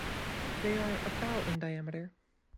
They are about in diameter.